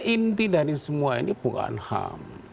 inti dari semua ini bukan ham